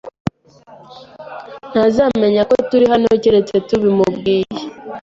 ntazamenya ko turi hano keretse tubimubwiye.